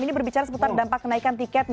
ini berbicara seputar dampak kenaikan tiket nih